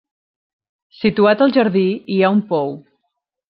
Situat al jardí hi ha un pou.